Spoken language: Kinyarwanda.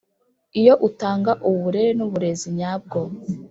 Iyo utanga uburere n’uburezi nyabyo